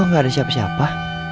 kok gak ada siapa siapa